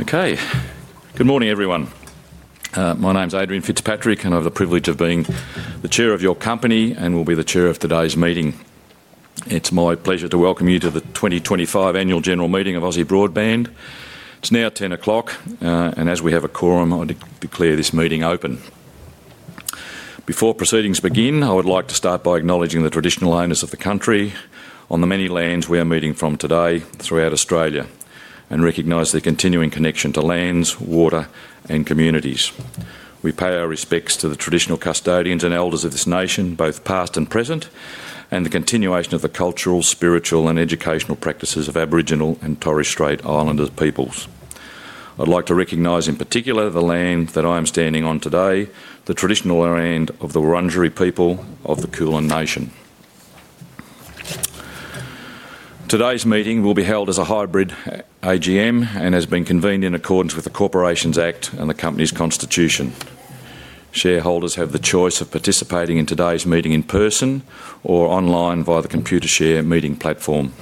Okay. Good morning everyone. My name's Adrian Fitzpatrick and I have the privilege of being the Chair of your company and will be the Chair of today's meeting. It's my pleasure to welcome you to the 2025 Annual General Meeting of Aussie Broadband. It's now 10:00 A.M. and as we have a quorum, I declare this meeting open. Before proceedings begin, I would like to start by acknowledging the traditional owners of the country on the many lands we are meeting from today throughout Australia and recognize their continuing connection to lands, water and communities. We pay our respects to the traditional custodians and elders of this nation, both past and present, and the continuation of the cultural, spiritual and educational practices of Aboriginal and Torres Strait Islander peoples. I'd like to recognize in particular the land that I am standing on today, the traditional land of the Wurundjeri people of the Kulin nation. Today's meeting will be held as a hybrid AGM and has been convened in accordance with the Corporations Act and the company's constitution. Shareholders have the choice of participating in today's meeting in person or online via the Computershare meeting platform.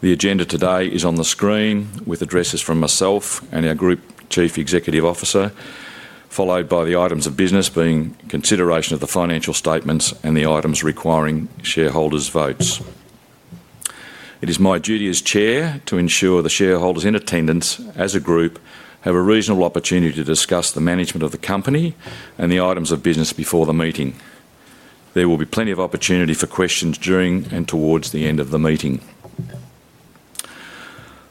The agenda today is on the screen with addresses from myself and our Group Chief Executive Officer followed by the items of business being consideration of the financial statements and the items requiring shareholders' votes. It is my duty as Chair to ensure the shareholders in attendance as a group have a reasonable opportunity to discuss the management of the company and the items of business before the meeting. There will be plenty of opportunity for questions during and towards the end of the meeting.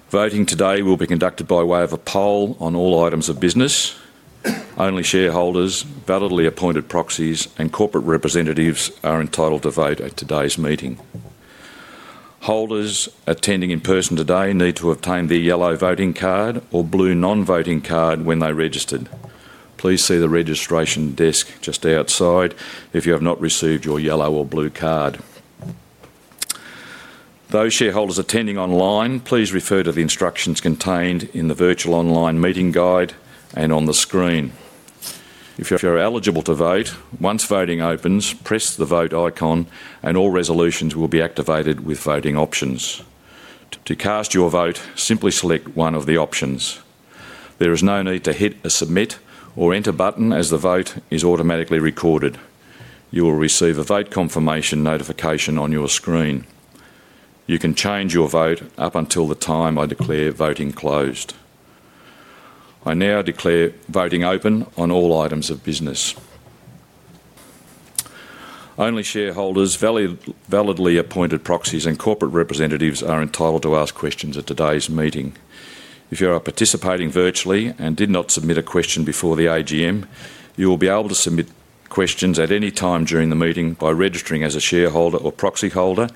Voting today will be conducted by way of a poll on all items of business. Only shareholders, validly appointed proxies and corporate representatives are entitled to vote at today's meeting. Holders attending in person today need to obtain their yellow voting card or blue non-voting card when they registered. Please see the registration desk just outside if you have not received your yellow or blue card. Those shareholders attending online, please refer to the instructions contained in the virtual online meeting guide and on the screen if you are eligible to vote. Once voting opens, press the vote icon and all resolutions will be activated with voting options. To cast your vote, simply select one of the options. There is no need to hit a submit or enter button as the vote is automatically recorded. You will receive a vote confirmation notification on your screen. You can change your vote up until the time I declare voting closed. I now declare voting open on all items of business. Only shareholders, validly appointed proxies, and corporate representatives are entitled to ask questions at today's meeting. If you are participating virtually and did not submit a question before the AGM, you will be able to submit questions at any time during the meeting by registering as a shareholder or proxy holder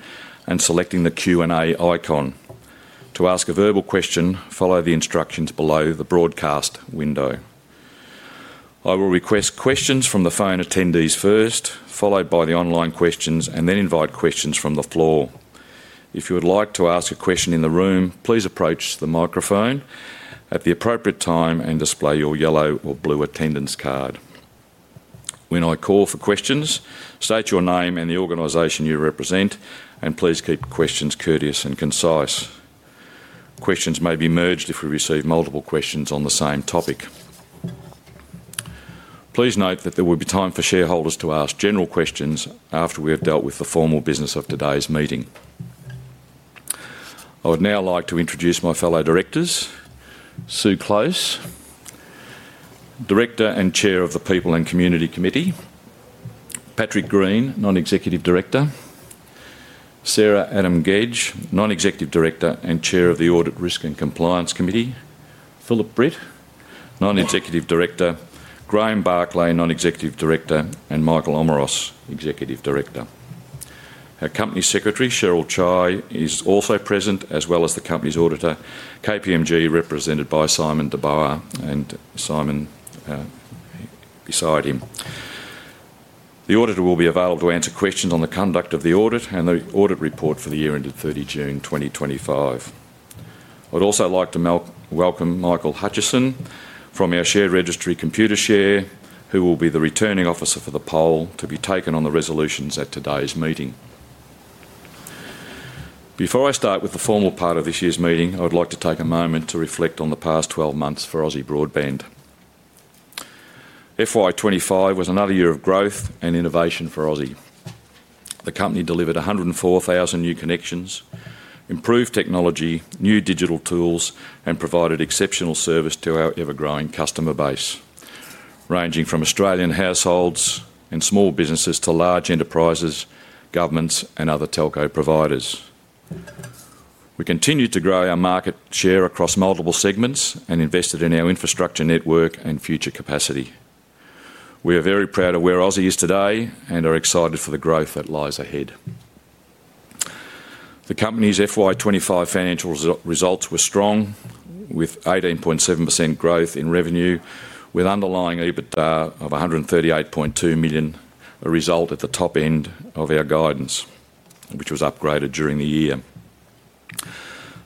and selecting the Q and A icon. To ask a verbal question, follow the instructions below the Broadcast window. I will request questions from the phone attendees first, followed by the online questions, and then invite questions from the floor. If you would like to ask a question in the room, please approach the microphone at the appropriate time and display your yellow or blue attendance card. When I call for questions, state your name and the organization you represent and please keep questions courteous and concise. Questions may be merged if we receive multiple questions on the same topic. Please note that there will be time for shareholders to ask general questions after we have dealt with the formal business of today's meeting. I would now like to introduce my fellow directors: Sue Close, Director and Chair of the People and Community Committee; Patrick Green, Non-Executive Director; Sarah Adam-Gedge, Non-Executive Director and Chair of the Audit, Risk and Compliance Committee; Phillip Britt, Non-Executive Director; Graham Barclay, Non-Executive Director; and Michael Omeros, Executive Director. Our Company Secretary Cheryl Chai is also present, as well as the company's auditor, KPMG, represented by Simon DeBoer and Simon beside him. The auditor will be available to answer questions on the conduct of the audit and the audit report for the year ended 30 June 2025. I would also like to welcome Michael Hutchison from our share registry, Computershare, who will be the returning officer for the poll to be taken on the resolutions at today's meeting. Before I start with the formal part of this year's meeting, I would like to take a moment to reflect on the past 12 months for Aussie Broadband. FY25 was another year of growth and innovation for Aussie. The company delivered 104,000 new connections, improved technology, new digital tools, and provided exceptional service to our ever-growing customer base ranging from Australian households and small businesses to large enterprises, governments, and other telco providers. We continue to grow our market share across multiple segments and invested in our infrastructure, network, and future capacity. We are very proud of where Aussie is today and are excited for the growth that lies ahead. The company's FY25 financial results were strong with 18.7% growth in revenue with underlying EBITDA of $138.2 million, a result at the top end of our guidance which was upgraded during the year.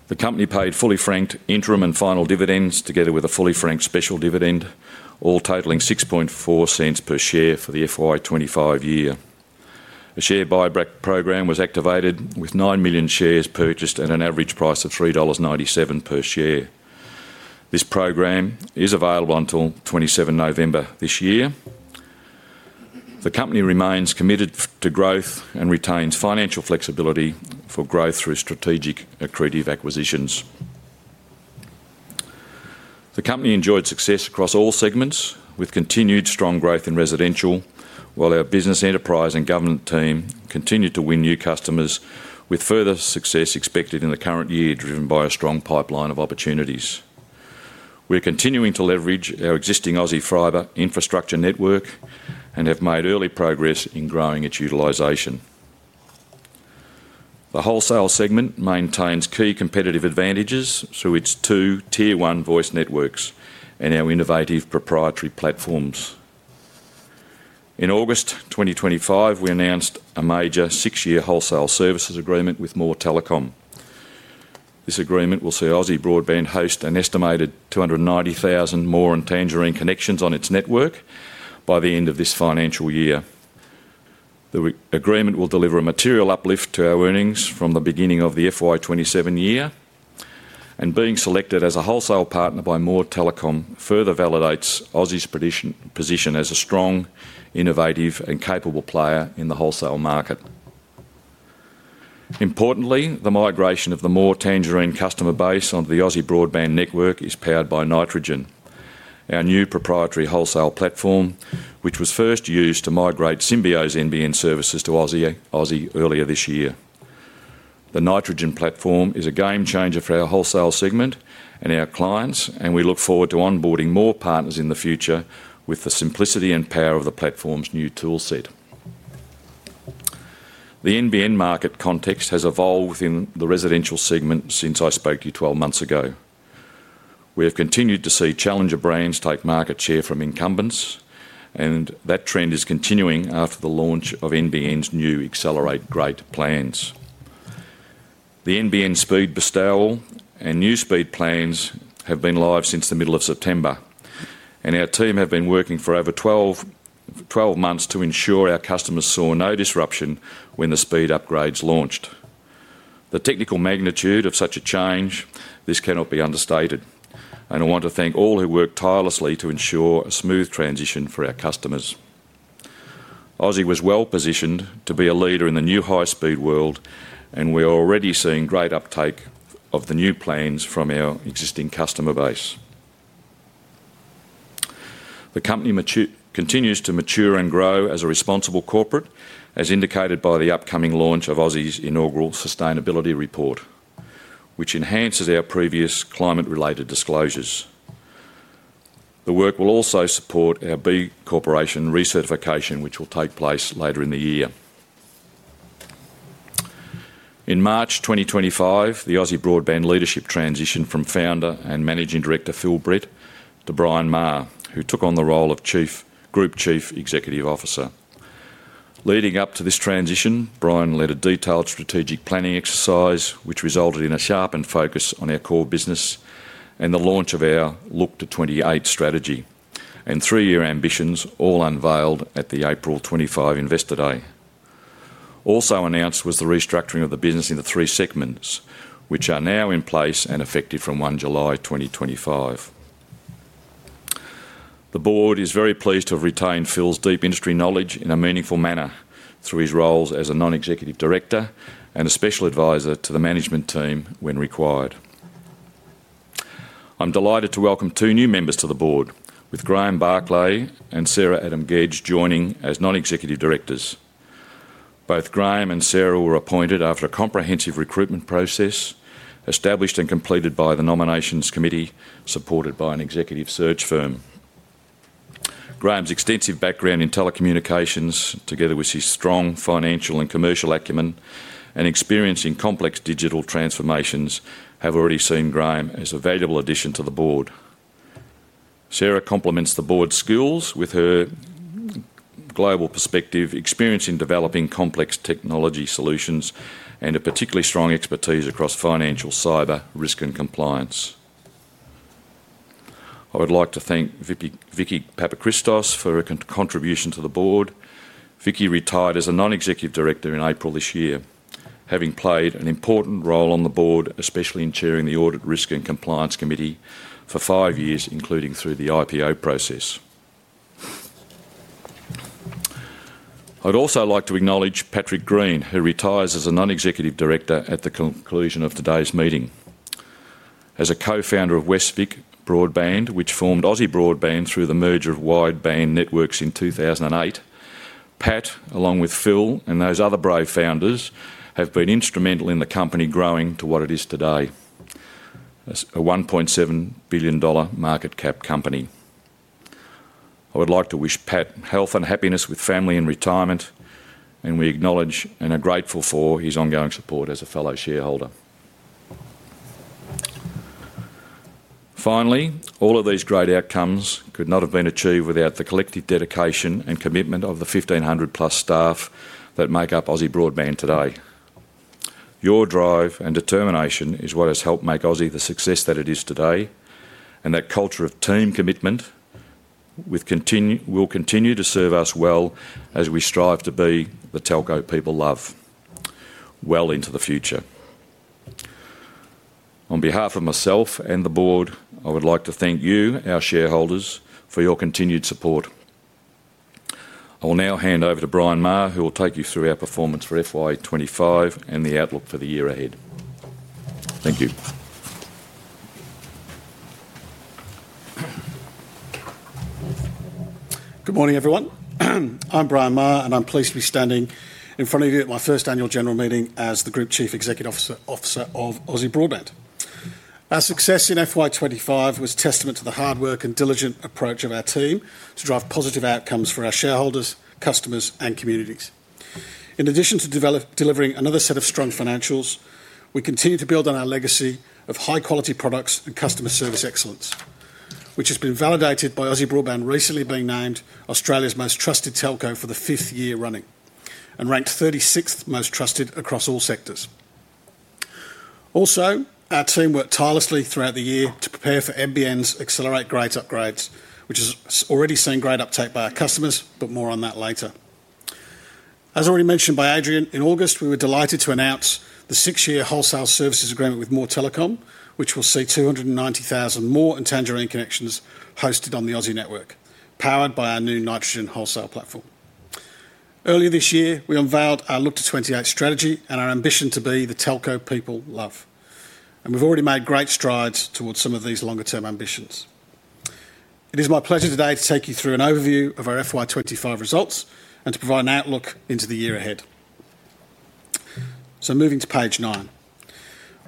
The company paid fully franked interim and final dividends together with a fully franked special dividend, all totaling $0.064 per share for the FY25 year. A share buyback program was activated with 9 million shares purchased at an average price of $3.97 per share. This program is available until the 27th of November this year. The company remains committed to growth and retains financial flexibility for growth through strategic accretive acquisitions. The company enjoyed success across all segments with continued strong growth in residential, while our Business, Enterprise, and Government team continued to win new customers with further success expected in the current year. Driven by a strong pipeline of opportunities, we're continuing to leverage our existing Aussie Fibre infrastructure network and have made early progress in growing its utilization. The Wholesale segment maintains key competitive advantages through its two tier one voice networks and our innovative proprietary platforms. In August 2025, we announced a major six-year wholesale services agreement with More Telecom. This agreement will see Aussie Broadband host an estimated 290,000 More and Tangerine connections on its network by the end of this financial year. The agreement will deliver a material uplift to our earnings from the beginning of the FY27 year, and being selected as a wholesale partner by More Telecom further validates Aussie's position as a strong, innovative, and capable player in the wholesale market. Importantly, the migration of the More and Tangerine customer base onto the Aussie Broadband network is powered by Nitrogen, our new proprietary wholesale platform which was first used to migrate Symbio's NBN services to Aussie earlier this year. The Nitrogen platform is a game changer for our wholesale segment and our clients, and we look forward to onboarding more partners in the future with the simplicity and power of the platform's new tool set. The NBN market context has evolved within the residential segment since I spoke to you 12 months ago. We have continued to see challenger brands take market share from incumbents, and that trend is continuing after the launch of NBN's new Accelerate Great plans. The NBN speed bestowal and new speed plans have been live since the middle of September, and our team have been working for over 12 months to ensure our customers saw no disruption when the speed upgrades launched. The technical magnitude of such a change cannot be understated, and I want to thank all who work tirelessly to ensure a smooth transition for our customers. Aussie was well positioned to be a leader in the new high speed world, and we are already seeing great uptake of the new plans from our existing customer base. The company continues to mature and grow as a responsible corporate as indicated by the upcoming launch of Aussie's inaugural Sustainability Report, which enhances our previous climate-related disclosures. The work will also support our B Corporation recertification, which will take place later in the year. In March 2025, the Aussie Broadband leadership transitioned from Founder and Managing Director Phillip Britt to Brian Maher, who took on the role of Group Chief Executive Officer. Leading up to this transition, Brian led a detailed strategic planning exercise, which resulted in a sharpened focus on our core business and the launch of our Look to 28 strategy and three-year ambitions, all unveiled at the April 2025 investor day. Also announced was the restructuring of the business into three segments, which are now in place and effective from July 1, 2025. The Board is very pleased to have retained Phillip's deep industry knowledge in a meaningful manner through his roles as a Non-Executive Director and a Special Advisor to the management team when required. I'm delighted to welcome two new members to the Board, with Graham Barclay and Sarah Adam-Gedge joining as Non-Executive Directors. Both Graham and Sarah were appointed after a comprehensive recruitment process established and completed by the Nominations Committee, supported by an executive search firm. Graham's extensive background in telecommunications, together with his strong financial and commercial acumen and experience in complex digital transformations, have already seen Graham as a valuable addition to the Board. Sarah complements the Board's skills with her global perspective, experience in developing complex technology solutions, and a particularly strong expertise across financial cyber risk and compliance. I would like to thank Vicky Papakristos for her contribution to the Board. Vicky retired as a Non-Executive Director in April this year, having played an important role on the Board, especially in chairing the Audit, Risk and Compliance Committee for five years, including through the IPO process. I'd also like to acknowledge Patrick Green, who retires as a Non-Executive Director at the conclusion of today's meeting. As a Co-Founder of Westvic Broadband, which formed Aussie Broadband through the merger of Wideband Networks in 2008, Pat, along with Phil and those other brave founders, have been instrumental in the company growing to what it is today, a $1.7 billion market cap company. I would like to wish Pat health and happiness with family and retirement, and we acknowledge and are grateful for his ongoing support as a fellow shareholder. Finally, all of these great outcomes could not have been achieved without the collective dedication and commitment of the 1,500 plus staff that make up Aussie Broadband today. Your drive and determination is what has helped make Aussie the success that it is today, and that culture of team commitment will continue to serve us well as we strive to be the telco people love well into the future. On behalf of myself and the Board, I would like to thank you, our shareholders, for your continued support. I will now hand over to Brian Maher, who will take you through our performance for FY25 and the outlook for the year ahead. Thank you. Good morning everyone. I'm Brian Maher and I'm pleased to be standing in front of you at my first Annual General Meeting as the Group Chief Executive Officer of Aussie Broadband. Our success in FY25 was testament to the hard work and diligent approach of our team to drive positive outcomes for our shareholders, customers, and communities. In addition to delivering another set of strong financials, we continue to build on our legacy of high-quality products and customer service excellence, which has been validated by Aussie Broadband recently being named Australia's most trusted telco for the fifth year running and ranked 36th most trusted across all sectors. Also, our team worked tirelessly throughout the year to prepare for NBN's Accelerate grades upgrades, which has already seen great uptake by our customers, but more on that later. As already mentioned by Adrian, in August we were delighted to announce the six-year Wholesale Services Agreement with More Telecom, which will see 290,000 More and Tangerine connections hosted on the Aussie network powered by our new Nitrogen wholesale platform. Earlier this year we unveiled our Look to 28 strategy and our ambition to be the telco people love, and we've already made great strides towards some of these longer-term ambitions. It is my pleasure today to take you through an overview of our FY25 results and to provide an outlook into the year ahead. Moving to page 9,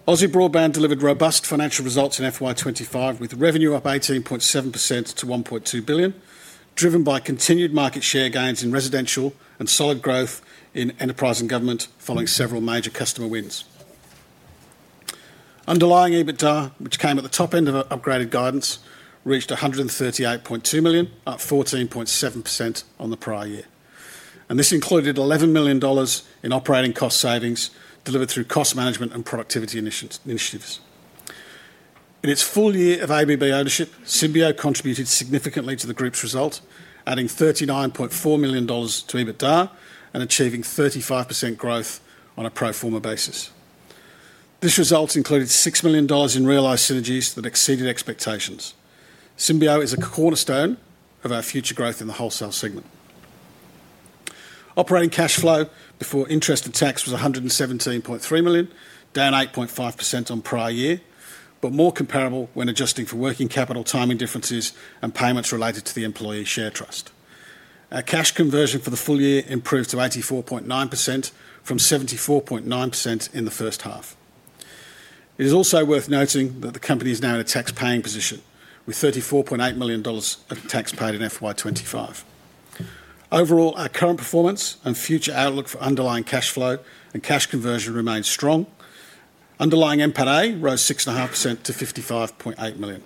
Aussie Broadband delivered robust financial results in FY25 with revenue up 18.7% to $1.2 billion, driven by continued market share gains in residential and solid growth in enterprise and government following several major customer wins. Underlying EBITDA, which came at the top end of our upgraded guidance, reached $138.2 million, up 14.7% on the prior year, and this included $11 million in operating cost savings delivered through cost management and productivity initiatives. In its full year of ABB ownership, Symbio contributed significantly to the group's result, adding $39.4 million to EBITDA and achieving 35% growth on a pro forma basis. This result included $6 million in realized synergies that exceeded expectations. Symbio is a cornerstone of our future growth in the wholesale segment. Operating cash flow before interest and tax was $117.3 million, down 8.5% on prior year but more comparable when adjusting for working capital, timing differences, and payments related to the employee share trust. Our cash conversion for the full year improved to 84.9% from 74.9% in the first half. It is also worth noting that the company is now in a tax paying position with $34.8 million of tax paid in FY25. Overall, our current performance and future outlook for underlying cash flow and cash conversion remains strong. Underlying NPAT A rose 6.5% to $55.8 million.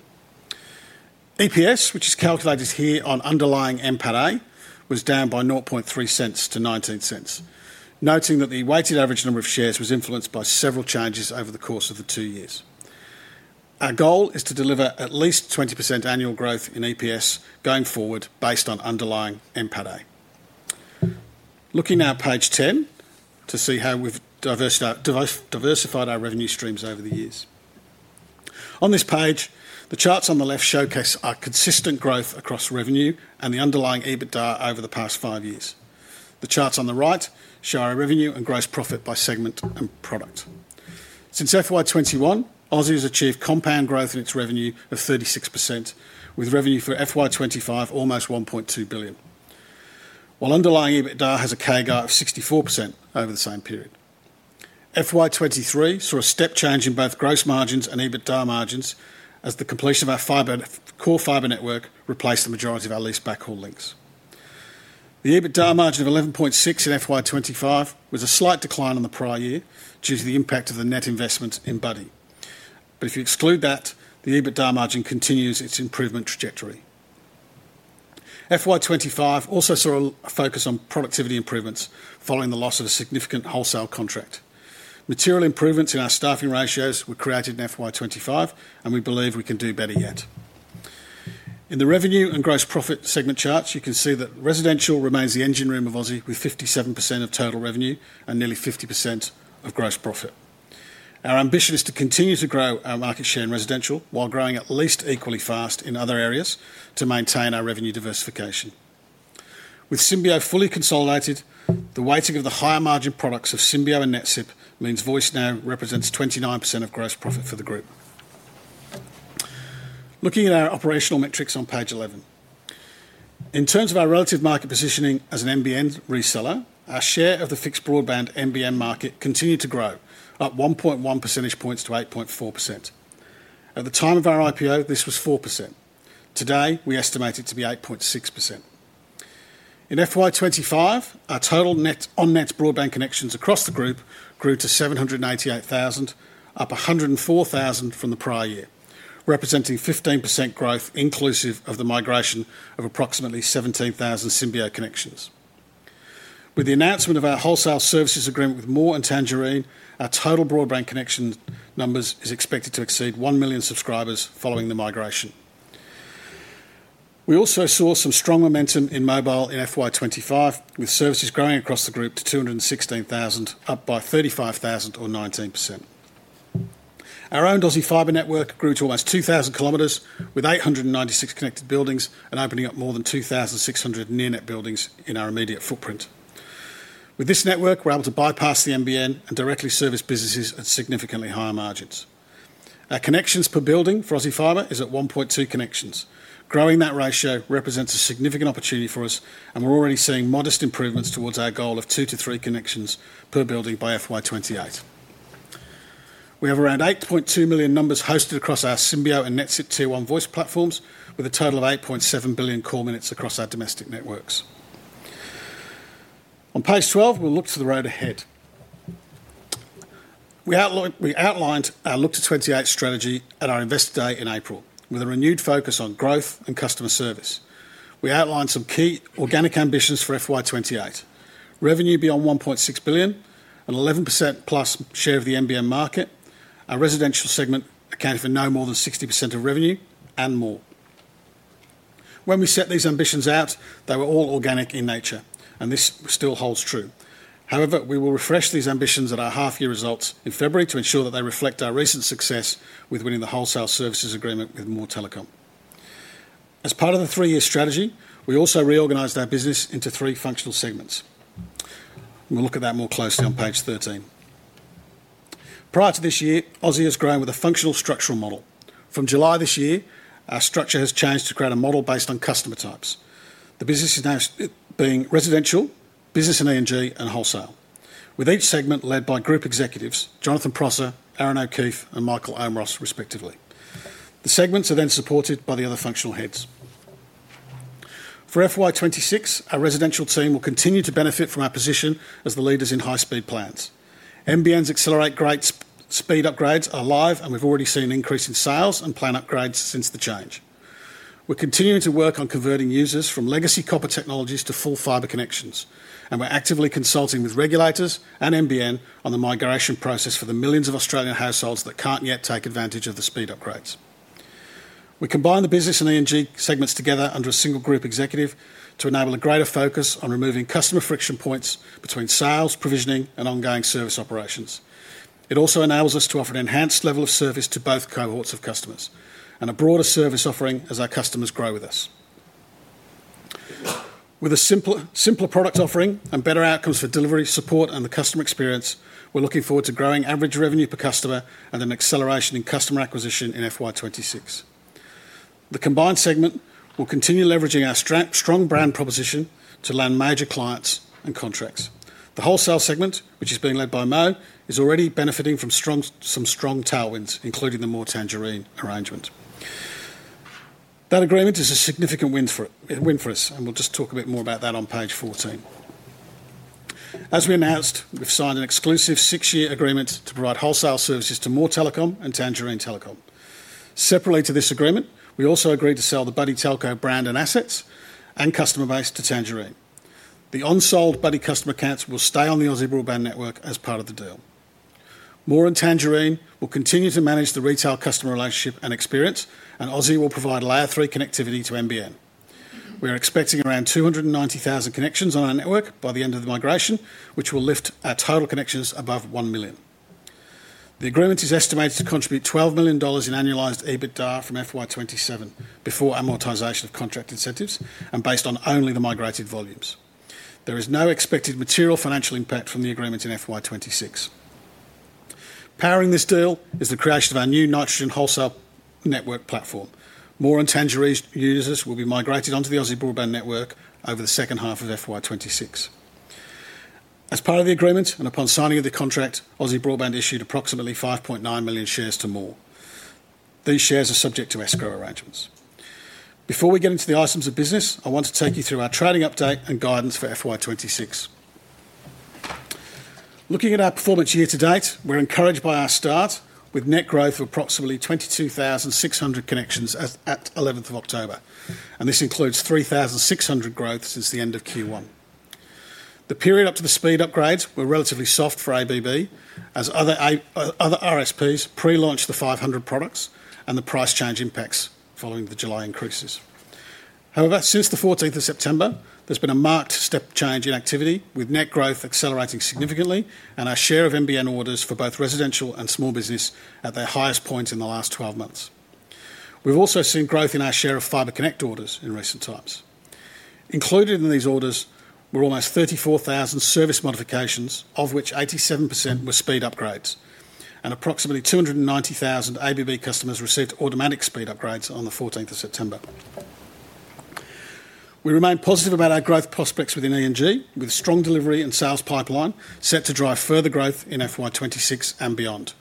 EPS, which is calculated here on underlying NPAT A, was down by $0.003 to $0.19, noting that the weighted average number of shares was influenced by several changes over the course of the two years. Our goal is to deliver at least 20% annual growth in EPS going forward based on underlying NPAT A. Looking now at page 10 to see how we've diversified our revenue streams over the years on this page. The charts on the left showcase our consistent growth across revenue and the underlying EBITDA over the past five years. The charts on the right show our revenue and gross profit by segment and product since FY21. Aussie Broadband has achieved compound growth in its revenue of 36% with revenue for FY25 almost $1.2 billion, while underlying EBITDA has a CAGR of 64% over the same period. FY23 saw a step change in both gross margins and EBITDA margins as the completion of our Fibre Core Fibre network replaced the majority of our leased backhaul links. The EBITDA margin of 11.6% in FY25 was a slight decline on the prior year due to the impact of the net investment in budding. If you exclude that, the EBITDA margin continues its improvement trajectory. FY25 also saw a focus on productivity improvements following the loss of a significant wholesale contract. Material improvements in our staffing ratios were created in FY25 and we believe we can do better yet. In the revenue and gross profit segment charts, you can see that Residential remains the engine room of Aussie Broadband with 57% of total revenue and nearly 50% of gross profit. Our ambition is to continue to grow our market share in Residential while growing at least equally fast in other areas to maintain our revenue diversification. With Symbio fully consolidated, the weighting of the higher margin products of Symbio and netcip means VoiceNow represents 29% of gross profit for the group. Looking at our operational metrics on page 11 in terms of our relative market positioning as an NBN reseller, our share of the fixed broadband NBN market continued to grow, up 1.1 percentage points to 8.4%. At the time of our IPO this was 4%. Today we estimate it to be 8.6%. In FY25 our total net on net broadband connections across the group grew to 788,000, up 104,000 from the prior year, representing 15% growth inclusive of the migration of approximately 17,000 Symbio connections. With the announcement of our wholesale services agreement with More and Tangerine, our total broadband connection numbers are expected to exceed 1 million subscribers. Following the migration, we also saw some strong momentum in mobile in FY25 with services growing across the group to 216,000, up by 35,000 or 19%. Our own Aussie Fibre network grew to almost 2,000 kilometers with 896 connected buildings and opening up more than 2,600 near net buildings in our immediate footprint. With this network we're able to bypass the NBN and directly service businesses at significantly higher margins. Our connections per building for Aussie Fibre is at 1.2 connections. Growing that ratio represents a significant opportunity for us and we're already seeing modest improvements towards our goal of 2 to 3 connections per building. By FY28 we have around 8.2 million numbers hosted across our Symbio and NetSIP Tier 1 voice platforms with a total of 8.7 billion core minutes across our domestic networks. On page 12 we'll look to the road ahead. We outlined our Look to 28 strategy at our investor day in April. With a renewed focus on growth and customer service, we outlined some key organic ambitions for FY28 revenue beyond $1.6 billion, an 11%+ share of the NBN market. Our residential segment accounted for no more than 60% of revenue and more. When we set these ambitions out, they were all organic in nature and this still holds true. However, we will refresh these ambitions at our half year results in February to ensure that they reflect our recent success with winning the wholesale services agreement with More Telecom. As part of the three year strategy, we also reorganized our business into three functional segments. We'll look at that more closely on page 13. Prior to this year, Aussie Broadband has grown with a functional structural model. From July this year our structure has changed to create a model based on customer types. The business is now being Residential, Business and Enterprise/Government, and Wholesale, with each segment led by Group Executives Jonathan Prosser, Aaron O’Keefe and Michael Omeros respectively. The segments are then supported by the other functional heads for FY26. Our residential team will continue to benefit from our position as the leaders in high speed plans. NBN's accelerate speed upgrades are live, and we've already seen an increase in sales and plan upgrades since the change. We're continuing to work on converting users from legacy copper technologies to full fibre connections, and we're actively consulting with regulators and NBN on the migration process for the millions of Australian households that can't yet take advantage of the speed upgrades. We combine the Business and Enterprise/Government segments together under a single Group Executive to enable a greater focus on removing customer friction points between sales, provisioning, and ongoing service operations. It also enables us to offer an enhanced level of service to both cohorts of customers and a broader service offering as our customers grow with us, with a simpler product offering and better outcomes for delivery, support, and the customer experience. We're looking forward to growing average revenue per customer and an acceleration in customer acquisition in FY26. The combined segment will continue leveraging our strong brand proposition to land major clients and contracts. The Wholesale segment, which is being led by Michael Omeros, is already benefiting from some strong tailwinds including the More Telecom and Tangerine Telecom arrangement. That agreement is a significant win for us, and we'll just talk a bit more about that on page 14. As we announced, we've signed an exclusive six-year agreement to provide wholesale services to More Telecom and Tangerine Telecom. Separately to this agreement, we also agreed to sell the Buddy Telco brand and assets and customer base to Tangerine. The unsold Buddy customer accounts will stay on the Aussie Broadband network as part of the deal. More and Tangerine will continue to manage the retail customer relationship and experience, and Aussie will provide layer 3 connectivity to NBN. We are expecting around 290,000 connections on our network by the end of the migration, which will lift our total connections above 1 million. The agreement is estimated to contribute $12 million in annualized EBITDA from FY27 before amortization of contract incentives and based on only the migrated volumes. There is no expected material financial impact from the agreement in FY26. Powering this deal is the creation of our new Nitrogen wholesale network platform. More and Tangerine users will be migrated onto the Aussie Broadband network over the second half of FY26. As part of the agreement and upon signing of the contract, Aussie Broadband issued approximately 5.9 million shares to More. These shares are subject to escrow arrangements. Before we get into the items of business, I want to take you through our trading update and guidance for FY26. Looking at our performance year to date, we're encouraged by our start with net growth of approximately 22,600 connections at October 11 and this includes 3,600 growth since the end of Q1. The period up to the speed upgrades were relatively soft for ABB as other RSPs pre-launched the 500 products and the price change impacts following the July increases. However, since September 14 there's been a marked step change in activity with net growth accelerating significantly and our share of NBN orders for both residential and small business at their highest point in the last 12 months. We've also seen growth in our share of Fibre Connect orders in recent times. Included in these orders were almost 34,000 service modifications of which 87% were speed upgrades and approximately 290,000 ABB customers received automatic speed upgrades on September 14. We remain positive about our growth prospects within ENG with strong delivery and sales pipeline set to drive further growth in FY26 and beyond.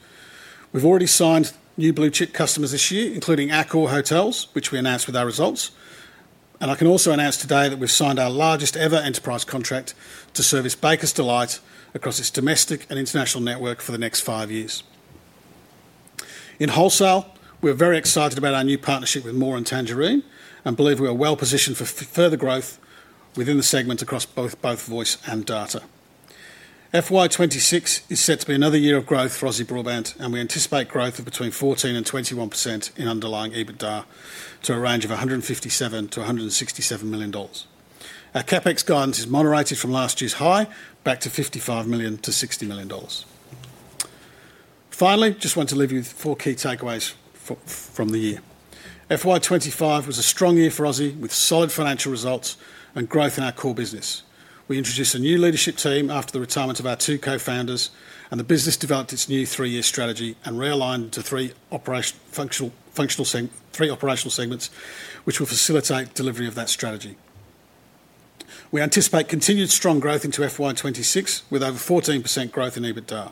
We've already signed new blue chip customers this year including Accor Hotels which we announced with our results and I can also announce today that we've signed our largest ever enterprise contract to service Bakers Delight across its domestic and international network for the next five years. In wholesale we're very excited about our new partnership with More and Tangerine and believe we are well positioned for further growth within the segment across both Voice and data. FY26 is set to be another year of growth for Aussie Broadband and we anticipate growth of between 14% and 21% in underlying EBITDA to a range of $156 million to $167 million. Our CapEx guidance is moderated from last year's high back to $55 million to $60 million. Finally, just want to leave you with four key takeaways from the year. FY25 was a strong year for Aussie with solid financial results and growth in our core business. We introduced a new leadership team after the retirement of our two co-founders and the business developed its new three-year strategy and realigned to three operational segments which will facilitate delivery of that strategy. We anticipate continued strong growth into FY2026 with over 14% growth in EBITDA.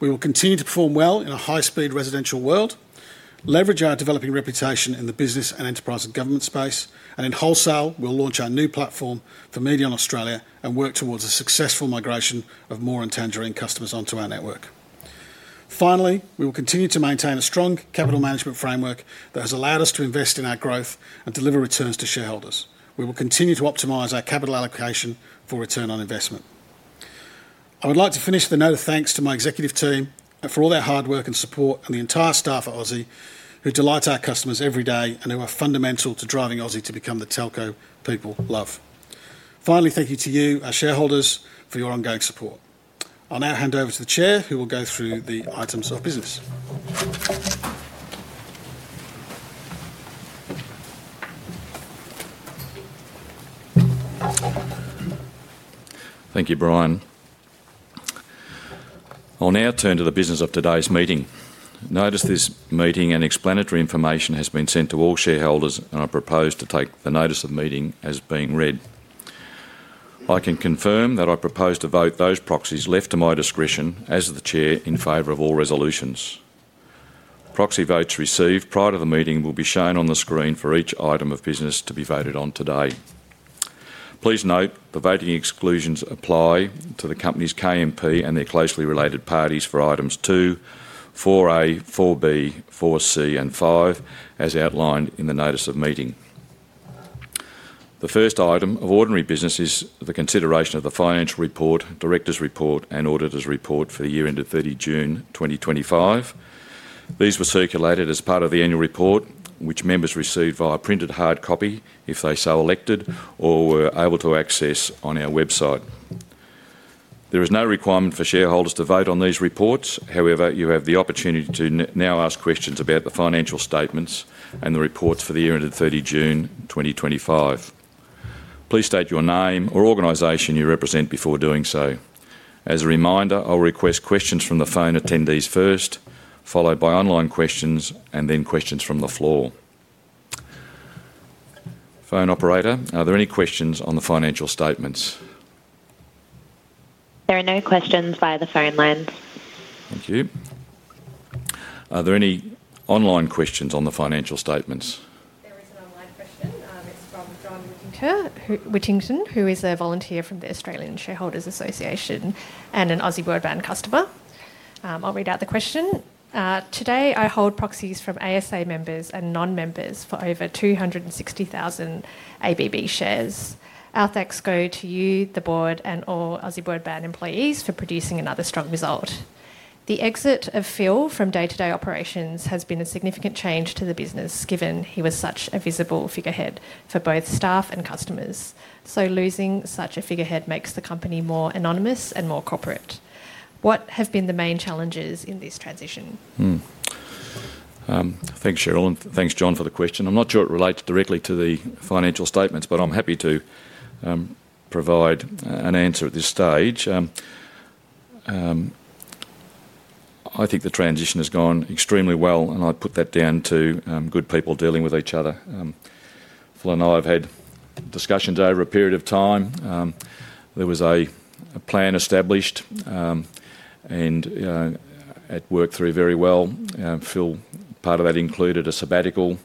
We will continue to perform well in a high-speed residential world, leverage our developing reputation in the business, enterprise and government space, and in wholesale. We'll launch our new platform for Median Australia and work towards a successful migration of More and Tangerine customers onto our network. Finally, we will continue to maintain a strong capital management framework that has allowed us to invest in our growth and deliver returns to shareholders. We will continue to optimize our capital allocation for return on investment. I would like to finish with a note of thanks to my executive team for all their hard work and support, and the entire staff at Aussie Broadband who delight our customers every day and who are fundamental to driving Aussie to become the telco people love. Finally, thank you to you, our shareholders, for your ongoing support. I'll now hand over to the Chair who will go through the items of business. Thank you Brian. I'll now turn to the business of today's meeting. Notice of this meeting and explanatory information has been sent to all shareholders and I propose to take notice of meeting as being read. I can confirm that I propose to vote those proxies left to my discretion as the Chair in favor of all resolutions. Proxy votes received prior to the meeting will be shown on the screen for each item of business to be voted on today. Please note the voting exclusions apply to the Company's KMP and their closely related parties for items 2, 4a, 4b, 4, 4c, and 5 as outlined in the notice of meeting. The first item of ordinary business is the consideration of the Financial Report, Director's Report, and Auditor's Report for the year ended 30 June 2025. These were circulated as part of the Annual Report which members received via printed hard copy if they so elected or were able to access on our website. There is no requirement for shareholders to vote on these reports. However, you have the opportunity to now ask questions about the financial statement and the reports for the year ended 30 June 2025. Please state your name or organization you represent before doing so. As a reminder, I will request questions from the phone attendees first, followed by online questions, and then questions from the floor phone operator. Are there any questions on the financial statements? There are no questions via the phone lines. Thank you. Are there any online questions on the financial statements? There is an online question. It's from John Whittington, who is a volunteer from the Australian Shareholders Association and an Aussie Broadband customer. I'll read out the question. Today, I hold proxies from ASA members and non-members for over 260,000 ABB shares. Our thanks go to you, the Board, and all Aussie Broadband employees for producing another strong result. The exit of Phil from day-to-day operations has been a significant change to the business, given he was such a visible figurehead for both staff and customers. Losing such a figurehead makes the company more anonymous and more corporate. What have been the main challenges in this transition? Thanks, Cheryl, and thanks, John, for the question. I'm not sure it relates directly to the financial statements, but I'm happy to provide an answer. At this stage, I think the transition has gone extremely well, and I put that down to good people dealing with each other. Phil and I have had discussions over a period of time. There was a plan established and it worked through very well. Phil, part of that included a sabbatical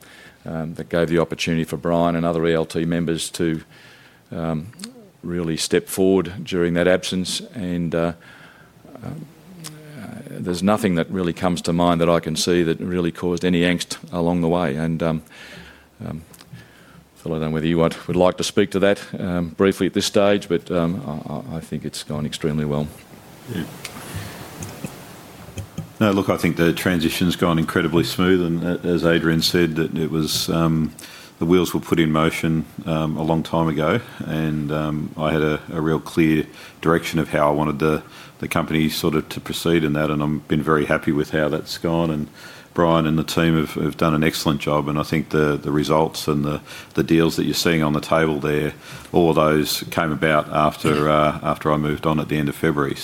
that gave the opportunity for Brian and other ELT members to really step forward during that absence. There's nothing that really comes to mind that I can see that really caused any angst along the way. Phil, I don't know whether you would like to speak to that briefly at this stage, but I think it's gone extremely well. No, look, I think the transition's gone incredibly smooth, and as Adrian said, the wheels were put in motion a long time ago. I had a real clear direction of how I wanted the company to proceed in that, and I've been very happy with how that's gone. Brian and the team have done an excellent job. I think the results and the deals that you're seeing on the table there, all of those came about after I moved on at the end of February.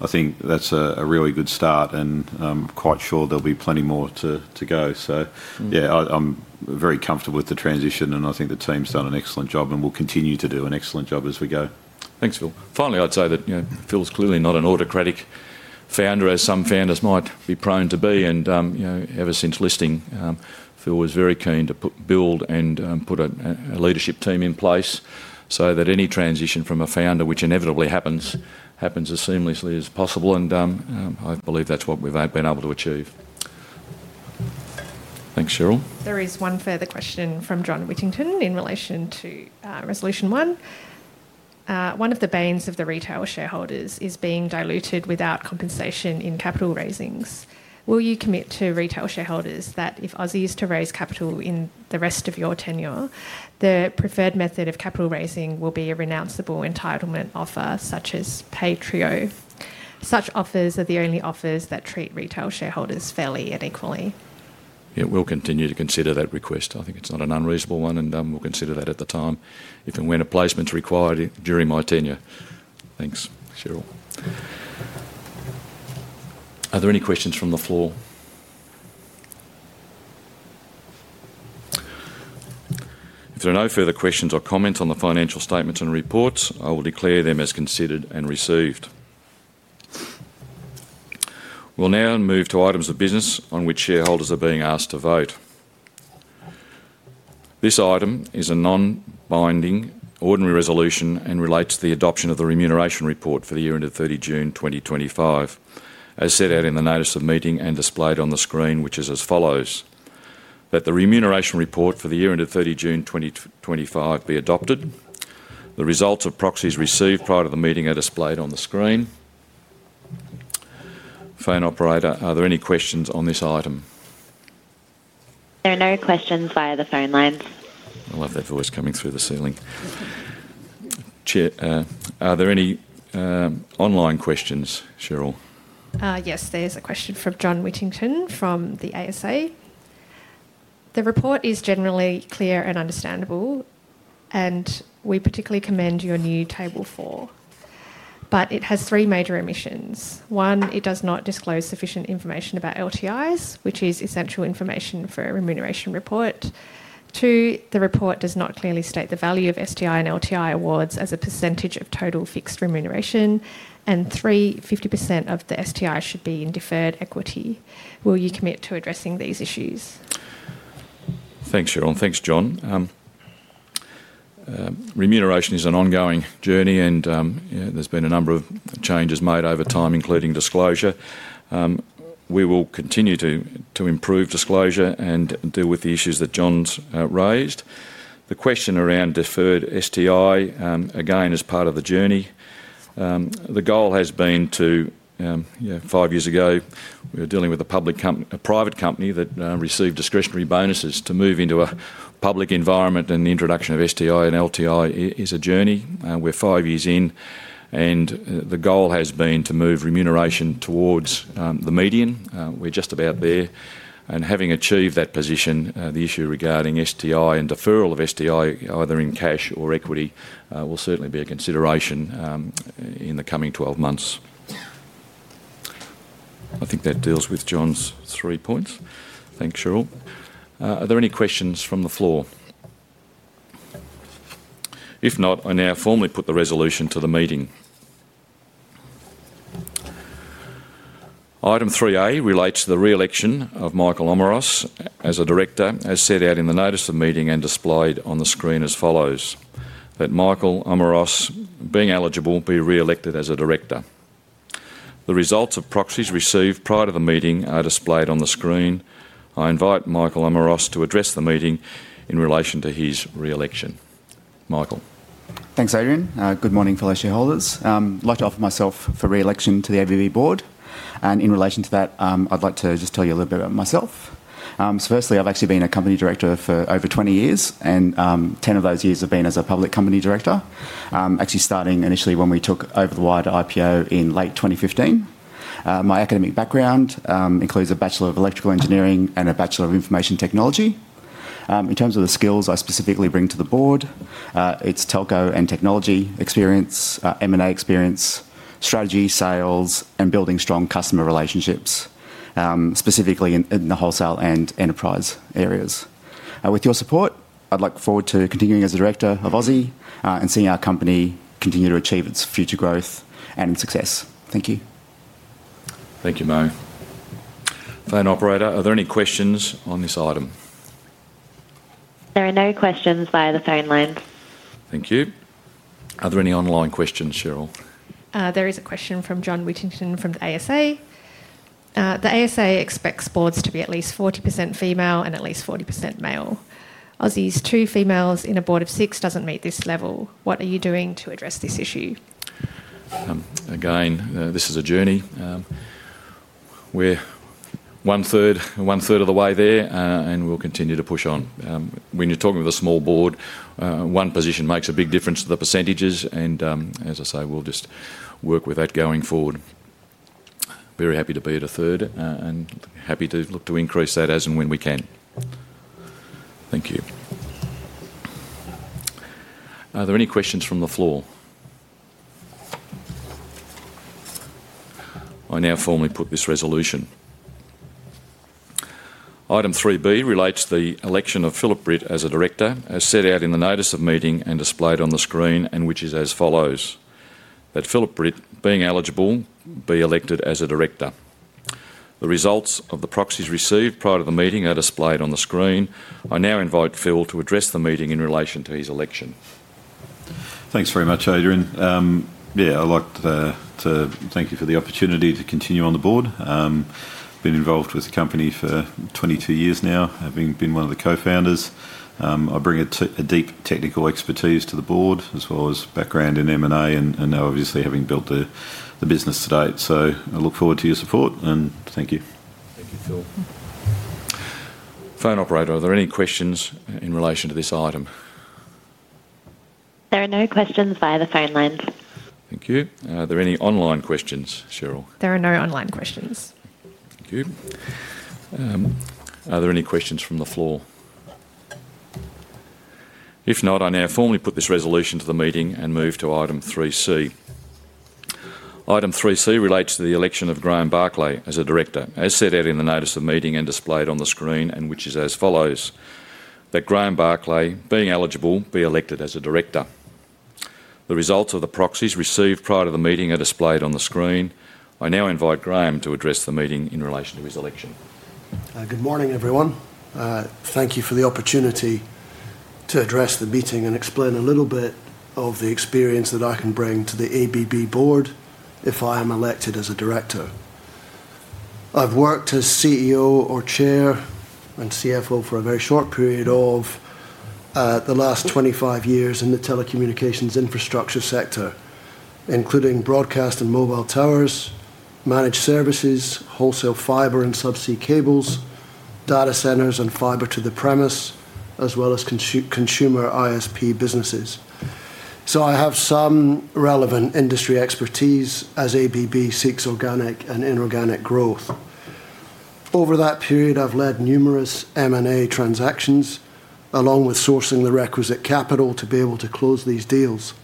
I think that's a really good start, and I'm quite sure there'll be plenty more to go. I'm very comfortable with the transition, and I think the team's done an excellent job and will continue to do an excellent job as we go. Thanks, Phil. Finally, I'd say that Phil's clearly not an autocratic founder, as some founders might be prone to be. Ever since listing, Phil was very keen to build and put a leadership team in place so that any transition from a founder, which inevitably happens, happens as seamlessly as possible. I believe that's what we've been able to achieve. Thanks, Cheryl. There is one further question from John Whittington in relation to resolution 1. One of the banes of the retail shareholders is being diluted without compensation in capital raisings. Will you commit to retail shareholders that if Aussie Broadband is to raise capital in the rest of your tenure, the preferred method of capital raising will be a renounceable entitlement offer such as PAITREO. Such offers are the only offers that treat retail shareholders fairly and equally. Continue to consider that request. I think it's not an unreasonable one and we'll consider that at the time, if and when a placement is required during my tenure. Thanks, Cheryl. Are there any questions from the floor? If there are no further questions or comments on the financial statements and reports, I will declare them as considered and received. We'll now move to items of business on which shareholders are being asked to vote. This item is a non-binding ordinary resolution and relates to the adoption of the remuneration report for the year end of 30 June 2025 as set out in the notice of meeting and displayed on the screen, which is as follows: that the remuneration report for the year end of 30 June 2025 be adopted. The results of proxies received prior to the meeting are displayed on the screen. Phone operator, are there any questions on this item? There are no questions via the phone lines. I love that voice coming through the Chair. Are there any online questions, Cheryl? Yes, there's a question from John Whittington from the ASA. The report is generally clear and understandable, and we particularly commend your new Table 4, but it has three major omissions. One, it does not disclose sufficient information about LTIs, which is essential information for a remuneration report. Two, the report does not clearly state the value of STI and LTI awards as a percentage of total fixed remuneration, and three, 50% of the STI should be in deferred equity. Will you commit to addressing these issues? Thanks, Cheryl, and thanks, John. Remuneration is an ongoing journey, and there's been a number of changes made over time, including disclosure. We will continue to improve disclosure and deal with the issues that John's raised. The question around deferred STI, again, as part of the journey, the goal has been to, five years ago, we were dealing with a private company that received discretionary bonuses, to move into a public environment, and the introduction of STI and LTI is a journey. We're five years in, and the goal has been to move remuneration towards the median. We're just about there. Having achieved that position, the issue regarding STI and deferral of STI, either in cash or equity, will certainly be a consideration in the coming 12 months. I think that deals with John's three points. Thanks, Cheryl. Are there any questions from the floor? If not, I now formally put the resolution to the meeting. Item 3A relates to the re-election of Michael Omeros as a Director, as set out in the notice of meeting and displayed on the screen, as that Michael Omeros, being eligible, be re-elected as a Director. The results of proxies received prior to the meeting are displayed on the screen. I invite Michael Omeros to address the meeting in relation to his re-election. Michael? Thanks Adrian. Good morning fellow shareholders. I'd like to offer myself for re-election to the Aussie Broadband board and in relation to that I'd like to just tell you a little bit about myself. Firstly, I've actually been a company director for over 20 years and 10 of those years have been as a public company director actually starting initially when we took over the wide IPO in late 2015. My academic background includes a Bachelor of Electrical Engineering and a Bachelor of Information Technology. In terms of the skills I specifically bring to the board, it's telco and technology experience, M&A experience, strategy, sales, and building strong customer relationships specifically in the wholesale and enterprise areas. With your support I'd look forward to continuing as a Director of Aussie and seeing our company continue to achieve its future growth and success. Thank you. Thank you. PHONE operator, are there any questions on this item? There are no questions via the phone line. Thank you. Are there any online questions, Cheryl? There is a question from John Whittington from the ASA. The ASA expects boards to be at least 40% female and at least 40% male. Two females in a board of six doesn't meet this level. What are you doing to address this issue? Again, this is a journey. We're 1/3, 1/3 of the way there and we'll continue to push on. When you're talking with a small board, one position makes a big difference to the % and as I say we'll just work with that going forward. Very happy to be at a third and happy to look to increase that as and when we can. Thank you. Are there any questions from the floor? I now formally put this Resolution Item 3B relates to the election of Phillip Britt as a Director as set out in the notice of meeting and displayed on the screen and which is as follows: that Phillip Britt, being eligible, be elected as a Director. The results of the proxies received prior to the meeting are displayed on the screen. I now invite Phil to address the meeting in relation to his election. Thanks very much, Adrian. I'd like to thank you for the opportunity to continue on the board. Been involved with the company for 22 years now, having been one of the co-founders. I bring a deep technical expertise to the board as well as background in M and A and now obviously having built the business to date. I look forward to your support and thank you. Thank you, Phil. Phone Operator, are there any questions in relation to this item? There are no questions via the phone lines. Thank you. Are there any online questions, Cheryl? There are no online questions. Thank you. Are there any questions from the floor? If not, I now formally put this resolution to the meeting and move to item 3C. Item 3C relates to the election of Graham Barclay as a Director as set out in the notice of meeting and displayed on the screen, and which is that Graham Barclay, being eligible, be elected as a Director. The results of the proxies received prior to the meeting are displayed on the screen. I now invite Graham to address the meeting in relation to his election. Good morning everyone. Thank you for the opportunity to address the meeting and explain a little bit the experience that I can bring to the Aussie Broadband Board if I am elected as a Director. I've worked as CEO or Chair and CFO for a very short period of the last 25 years in the telecommunications infrastructure sector, including broadcast and mobile towers, managed services, wholesale fiber and subsea cables, data centres and fibre to the premise as well as consumer ISP businesses. I have some relevant industry expertise as Aussie Broadband seeks organic and inorganic growth. Over that period I've led numerous M&A transactions along with sourcing the requisite capital to be able to close these deals.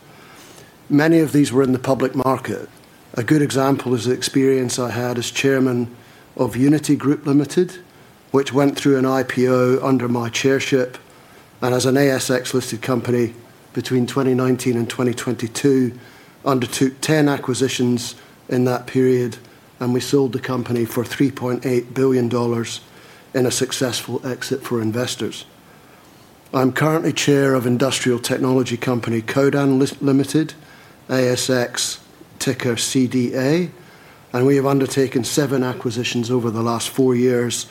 Many of these were in the public market. A good example is the experience I had as Chairman of UNITI Group Limited which went through an IPO under my chairship and as an ASX listed company between 2019 and 2022. Undertook 10 acquisitions in that period and we sold the company for $3.8 billion in a successful exit for investors. I'm currently Chair of industrial technology company Codan Limited ASX Ticker CDA and we have undertaken seven acquisitions over the last four years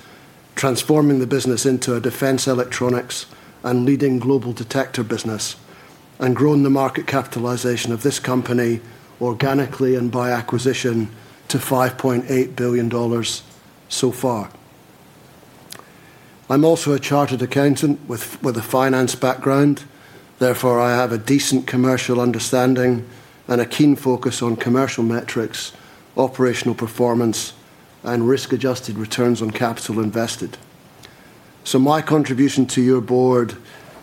transforming the business into a defense electronics and leading global detector business and grown the market capitalization of this company organically and by acquisition to $5.8 billion so far. I'm also a Chartered Accountant with a finance background. Therefore I have a decent commercial understanding and a keen focus on commercial metrics, operational performance and risk adjusted returns on capital invested. My contribution to your board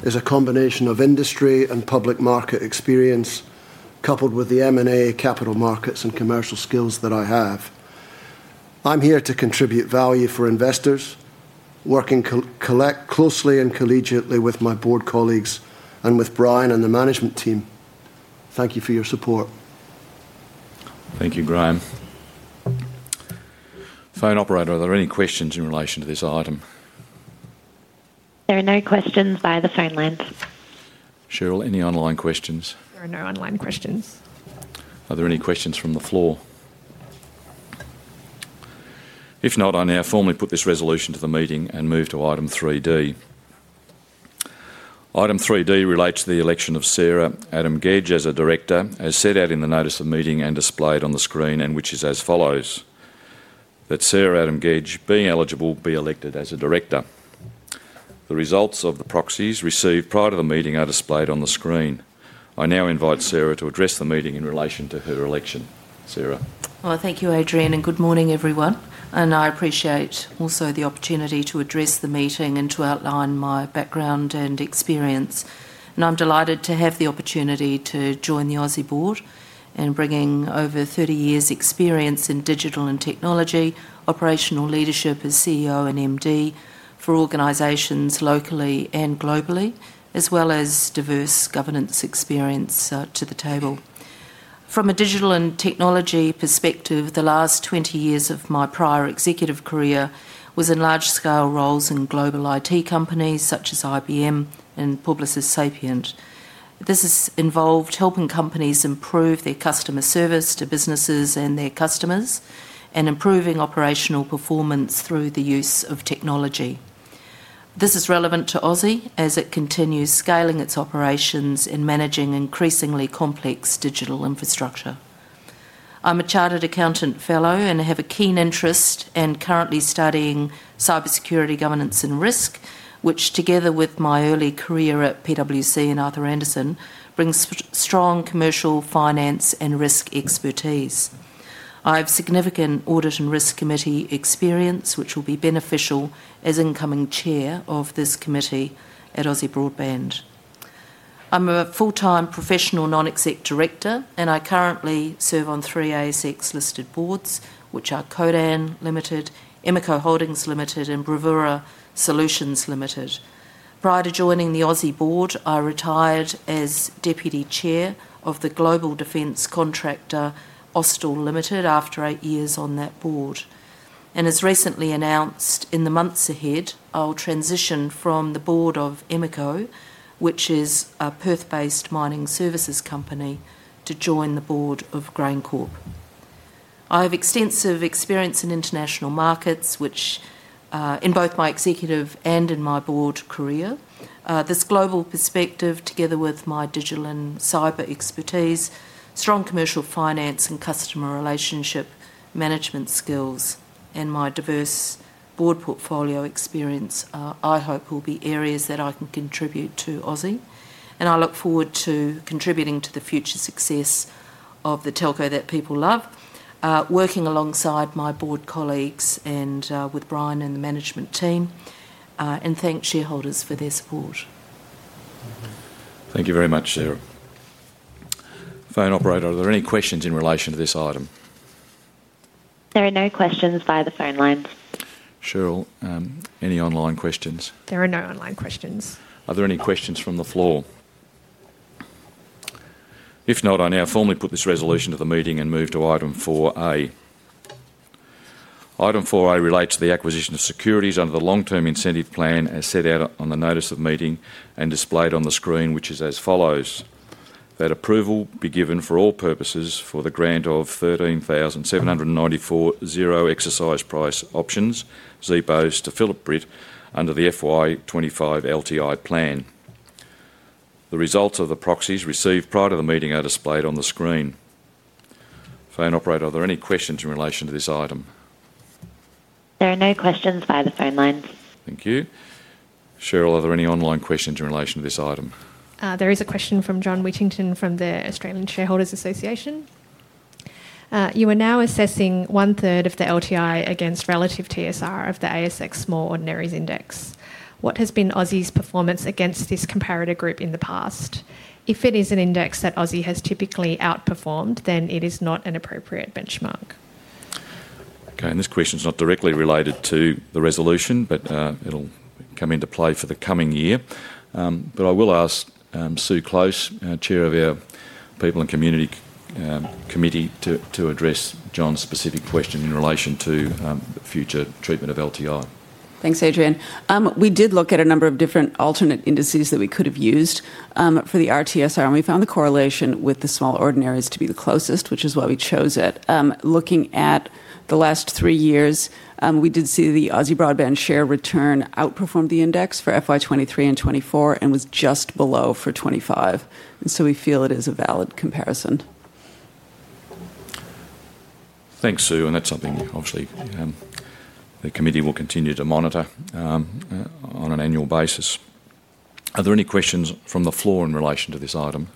is a combination of industry and public market experience coupled with the M&A capital markets and commercial skills that I have. I'm here to contribute value for investors, working closely and collegiately with my board colleagues and with Brian and the management team. Thank you for your support. Thank you, Graham. Phone Operator, are there any questions in relation to this item? There are no questions via the phone lines. Cheryl, any online questions? There are no online questions. Are there any questions from the floor? If not, I now formally put this resolution to the meeting and move to item 3D. Item 3D relates to the election of Sarah Adam-Gedge as a Director as set out in the notice of meeting and displayed on the screen, and which is that Sarah Adam-Gedge, being eligible, be elected as a Director. The results of the proxies received prior to the meeting are displayed on the screen. I now invite Sarah to address the meeting in relation to her election. Thank you, Adrian, and good morning everyone. I appreciate also the opportunity to address the meeting and to outline my background and experience. I'm delighted to have the opportunity to join the Aussie Broadband Board, bringing over 30 years' experience in digital and technology operational leadership as CEO and Managing Director for organizations locally and globally, as well as diverse governance experience to the table from a digital and technology perspective. The last 20 years of my prior executive career was in large-scale roles in global IT companies such as IBM and Publicis Sapient. This involved helping companies improve their customer service to businesses and their customers and improving operational performance through the use of technology. This is relevant to Aussie Broadband as it continues scaling its operations and managing increasingly complex digital infrastructure. I'm a Chartered Accountant Fellow and have a keen interest in currently studying cybersecurity, governance, and risk, which together with my early career at PwC and Arthur Andersen brings strong commercial finance and risk expertise. I have significant audit and risk committee experience, which will be beneficial as incoming Chair of this committee at Aussie Broadband. I'm a full-time professional Non-Executive Director and I currently serve on three ASX-listed boards, which are Kodan Limited, Emeco Holdings Limited, and Bravura Solutions Limited. Prior to joining the Aussie Broadband Board, I retired as Deputy Chair of the global defense contractor Austal Ltd. After eight years on that board and as recently announced, in the months ahead I'll transition from the board of Emeco, which is a Perth-based mining services company, to join the Board of GrainCorp. I have extensive experience in international markets, both in my executive and in my board career. This global perspective, together with my digital and cyber expertise, strong commercial finance and customer relationship management skills, and my diverse board portfolio experience, I hope will be areas that I can contribute to Aussie Broadband, and I look forward to contributing to the future success of the telco that people love. Working alongside my board colleagues and with Brian and the management team, and thank shareholders for their support. Thank you very much, Sarah. Are there any questions in relation to this item? There are no questions via the phone lines. Cheryl, any online questions? There are no online questions. Are there any questions from the floor? If not, I now formally put this resolution to the meeting and move to item 4A. Item 4A relates to the acquisition of securities under the Long Term Incentive Plan as set out on the notice of meeting and displayed on the screen, which is as that approval be given for all purposes for the grant of 13,794 $0 exercise price options to Phillip Britt under the FY25 LTI plan. The results of the proxies received prior to the meeting are displayed on the screen. Phone operator, are there any questions in relation to this item? There are no questions via the phone lines. Thank you, Cheryl. Are there any online questions in relation to this item? There is a question from John Whittington from the Australian Shareholders Association. You are now assessing one third of the LTI against relative TSR of the ASX Small Ordinaries Index. What has been Aussie Broadband's performance against this comparator group in the past? If it is an index that Aussie Broadband has typically outperformed, then it is not an appropriate benchmark. Okay. This question is not directly related to the resolution, but it will come into play for the coming year. I will ask Sue Close, Chair of our People and Community Committee, to address John's specific question in relation to future treatment of LTI. Thanks, Adrian. We did look at a number of. Different alternate indices that we could have used for the RTSR, and we found the correlation with the Small Ordinaries too. Be the closest, which is why we chose it. Looking at the last three years, we. Did see the Aussie Broadband share return outperformed the index for FY2023 and 2024 and was just below for 2025, and we feel it is a valid comparison. Thanks, Sue. That's something obviously the committee will continue to monitor on an annual basis. Are there any questions from the floor in relation to this item?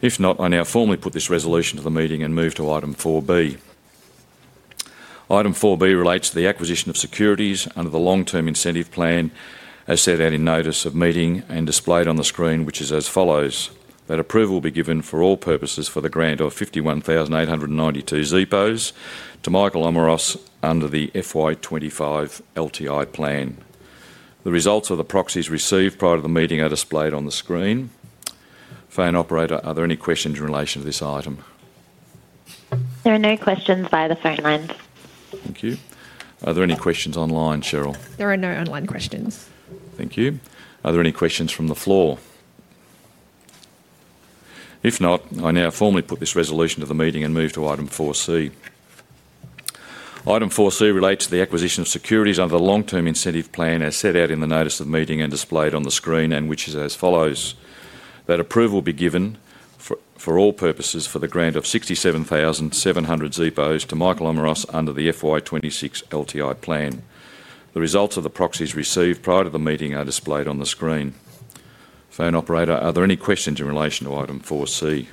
If not, I now formally put this resolution to the meeting and move to item 4B. Item 4B relates to the acquisition of securities under the Long Term Incentive Plan as set out in Notice of Meeting and displayed on the screen, which is as follows, that approval will be given for all purposes for the grant of 51,892 Zepos to Michael Omeros under the FY25 LTI plan. The results of the proxies received prior to the meeting are displayed on the screen. Phone operator, are there any questions in relation to this item? There are no questions via the phone lines. Thank you. Are there any questions online, Cheryl? There are no online questions. Thank you. Are there any questions from the floor? If not, I now formally put this resolution to the meeting and move to item 4C. Item 4C relates to the acquisition of securities under the Long Term Incentive Plan as set out in the notice of meeting and displayed on the screen, and which is as follows: that approval be given for all purposes for the grant of 67,700 Zepos to Michael Omeros under the FY26 LTI plan. The results of the proxies received prior to the meeting are displayed on the screen. Phone operator, are there any questions in relation to item 4C?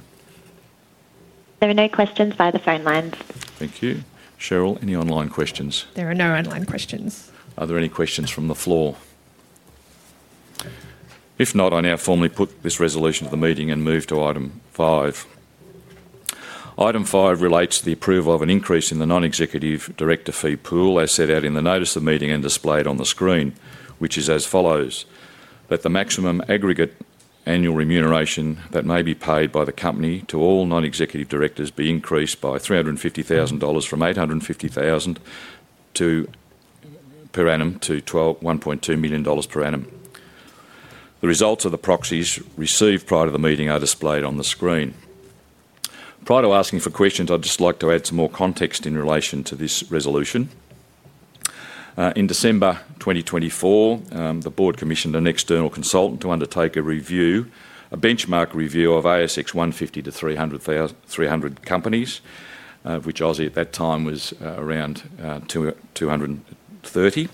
There are no questions via the phone lines. Thank you, Cheryl. Any online questions? There are no online questions. Are there any questions from the floor? If not, I now formally put this resolution to the meeting and move to item five. Item five relates to the approval of an increase in the Non-Executive Director fee pool as set out in the notice of meeting and displayed on the screen, which is as follows: that the maximum aggregate annual remuneration that may be paid by the company to all Non-Executive Directors be increased by $350,000 from $850,000 per annum to $1.2 million per annum. The results of the proxies received prior to the meeting are displayed on the screen. Prior to asking for questions, I'd just like to add some more context in relation to this resolution. In December 2024, the board commissioned an external consultant to undertake a review, a benchmark review of ASX 150 to 300 companies, which Aussie Broadband at that time was around 230,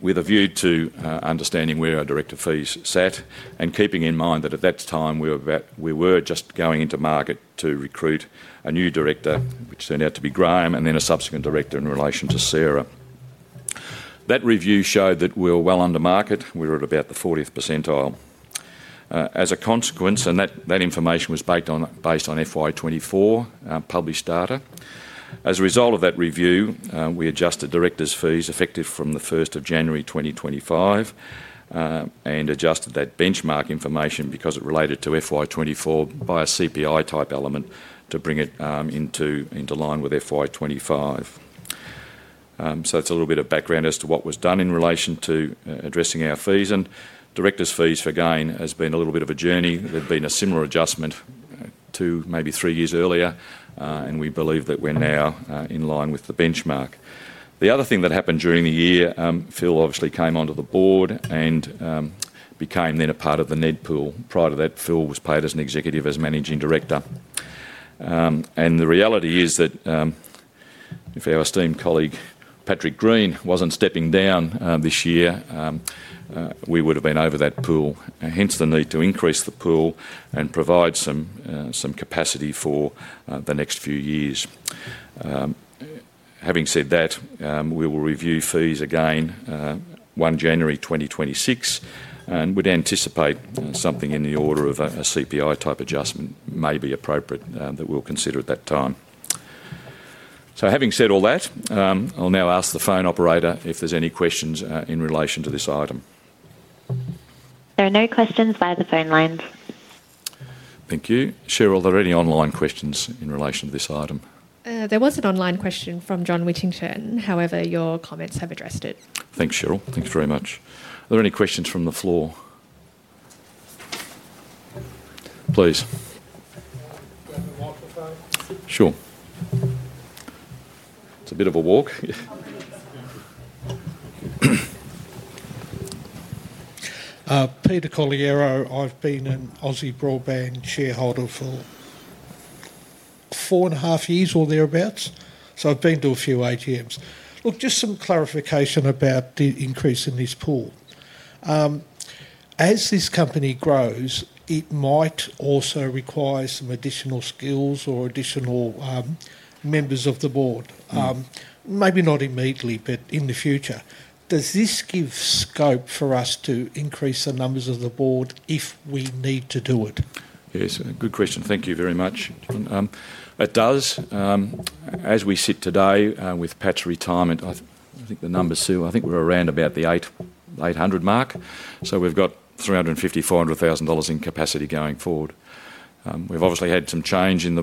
with a view to understanding where our director fees sat and keeping in mind that at that time we were just going into market to recruit a new director, which turned out to be Graham, and then a subsequent director in relation to Sarah. That review showed that we were well under market. We were at about the 40% percentile as a consequence, and that information was based on FY24 published data. As a result of that review, we adjusted directors' fees effective from January 1, 2025, and adjusted that benchmark information because it related to FY24 by a CPI type element to bring it into line with FY25. That's a little bit of background as to what was done in relation to addressing our fees, and directors' fees for gain has been a little bit of a journey. There had been a similar adjustment two, maybe three years earlier, and we believe that we're now in line with the benchmark. The other thing that happened during the year, Phil obviously came onto the board and became then a part of the NED pool. Prior to that, Phil was paid as an executive, as Managing Director. The reality is that if our esteemed colleague Patrick Green wasn't stepping down this year, we would have been over that pool, hence the need to increase the pool and provide some capacity for the next few years. Having said that, we will review fees again January 1, 2026, and would anticipate something in the order of a CPI type adjustment may be appropriate that we'll consider at that time. Having said all that, I'll now ask the phone operator if there's any questions in relation to this item. There are no questions via the phone lines. Thank you, Cheryl. Are there any online questions in relation to this item? There was an online question from John Whittington, however, your comments have addressed it. Thanks, Cheryl. Thanks very much. Are there any questions from the floor, please? Sure, it's a bit of a walk. Peter Colliero. I've been an Aussie Broadband shareholder for four and a half years or thereabouts, so I've been to a few ATMs. Look, just some clarification about the increase in this pool. As this company grows, it might also require some additional skills or additional members of the Board. Maybe not immediately, but in the future. Does this give scope for us to increase the numbers of the Board if we need to do it? Yes, good question. Thank you very much. It does. As we sit today with Pat's retirement, I think the number. Sue, I think we're around about the 800 mark. We've got $350,000 to $400,000 in capacity going forward. We've obviously had some change in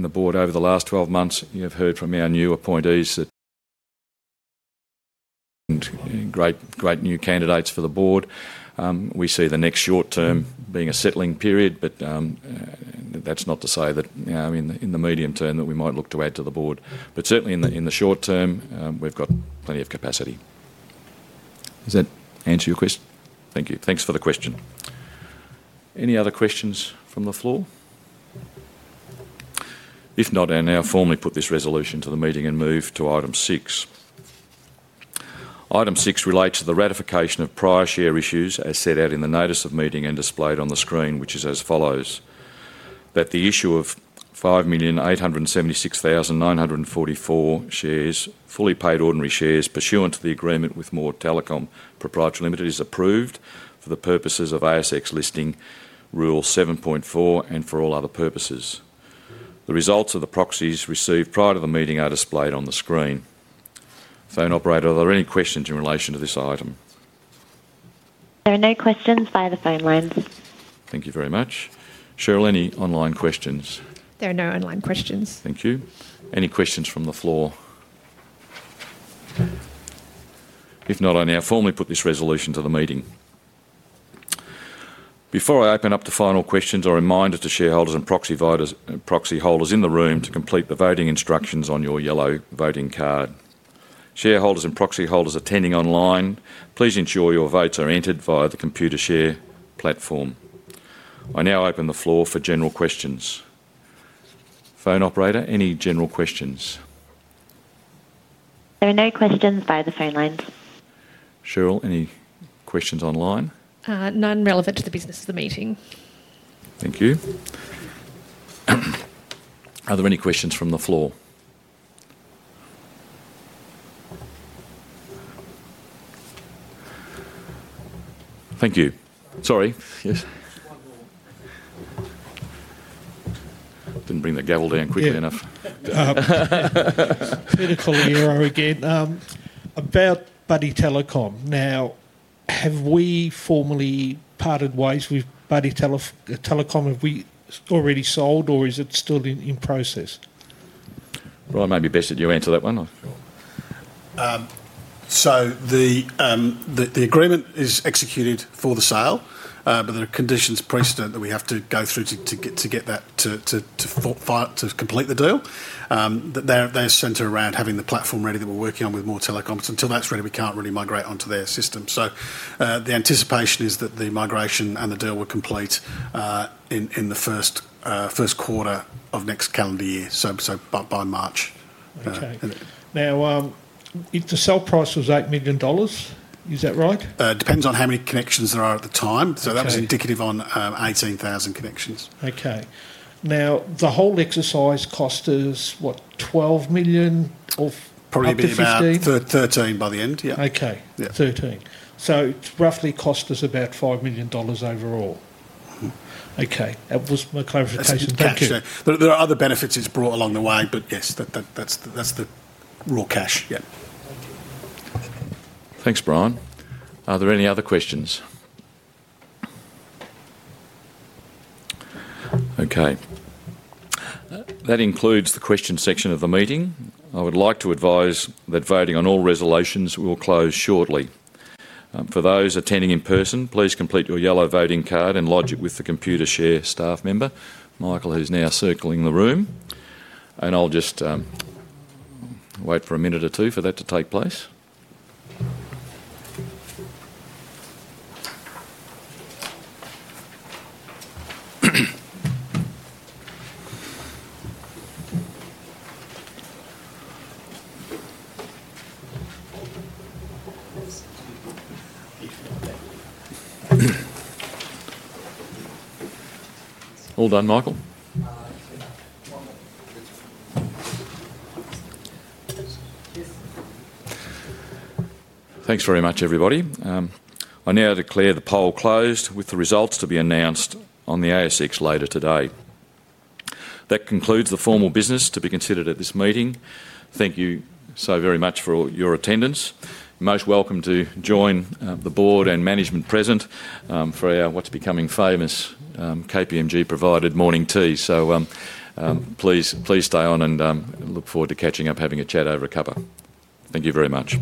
the Board over the last 12 months. You've heard from our new appointees, they're great new candidates for the Board. We see the next short term being a settling period. That's not to say that in the medium term we might look to add to the Board, but certainly in the short term we've got plenty of capacity. Does that answer your question? Thank you. Thanks for the question. Any other questions from the floor? If not, I now formally put this resolution to the meeting and move to item six. Item six relates to the ratification of prior share issues as set out in the notice of meeting and displayed on the screen, which is as follows: that the issue of 5,876,944 fully paid ordinary shares, pursuant to the agreement with More Telecom Proprietary Limited, is approved for the purposes of ASX Listing Rule 7.4 and for all other purposes. The results of the proxies received prior to the meeting are displayed on the screen. Phone operator, are there any questions in relation to this item? There are no questions via the phone lines. Thank you very much. Cheryl, any online questions? There are no online questions. Thank you. Any questions from the floor? If not, I now formally put this resolution to the meeting before I open up to final questions or reminders to shareholders and proxy holders in the room to complete the voting instructions on your yellow voting card. Shareholders and proxy holders attending online, please ensure your votes are entered via the Computershare platform. I now open the floor for general questions. Phone operator, any general questions? There are no questions via the phone lines. Cheryl, any questions online? None relevant to the business of the meeting. Thank you. Are there any questions from the floor? Thank you. Sorry. Yes. Didn't bring that gavel down quickly enough. Medical error again, about Buddy Telco. Now, have we formally parted ways with Buddy Telco? Have we already sold or is it still in process? It may be best that you answer that one. The agreement is executed for the sale, but there are conditions precedent that we have to go through to get that to complete the deal. They center around having the platform ready that we're working on with More Telecom. Until that's ready, we can't really migrate onto their system. The anticipation is that the migration and the deal will complete in the first quarter of next calendar year, so by March. Now, the sell price. Was $8 million, is that right? Depends on how many connections there are at the time. That was indicative on 18, 30 connections. Okay. Now, the whole exercise cost us what? $12 million or probably about $13 million by the end. Yeah. Okay, 13. It roughly cost us about $5 million overall. Okay, that was my clarification. There are other benefits it's brought along the way, but yes, that's the raw cash. Yeah. Thanks, Brian. Are there any other questions? Okay, that includes the question section of the meeting. I would like to advise that voting on all resolutions will close shortly. For those attending in person, please complete your yellow voting card and lodge it with the Computershare staff member Michael, who's now circling the room. I'll just wait for a minute or two for that to take place. All done, Michael. Thanks very much, everybody. I now declare the poll closed with the results to be announced on the ASX later today. That concludes the formal business to be considered at this meeting. Thank you so very much for your attendance. Most welcome to join the Board and management present for our what's become famous KPMG provided morning tea. Please, please stay on and look forward to catching up, having a chat over a cuppa. Thank you very much.